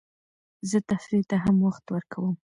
زه تفریح ته هم وخت ورکوم.